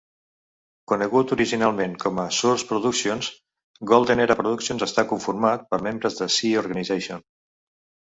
Conegut originalment com a Source Productions, Golden Era Productions està conformat per membres de Sea Organization.